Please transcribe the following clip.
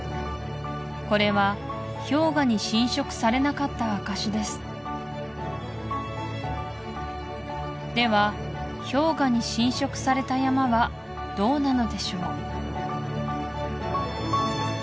これは氷河に浸食されなかった証しですでは氷河に浸食された山はどうなのでしょう？